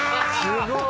すごい。